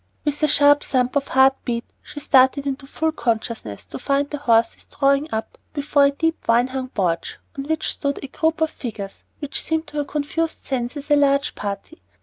With a sharp thump of heart beat she started into full consciousness to find the horses drawing up before a deep vine hung porch, on which stood a group of figures which seemed to her confused senses a large party.